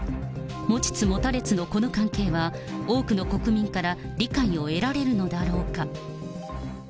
持ちつ持たれつのこの関係は、多くの国民から理解を得られるのだろうか。